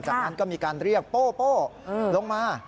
จากนั้นก็มีการเรียกโป้ลงมา